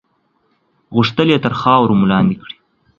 غوښتل یې تر خاورو مو لاندې کړي.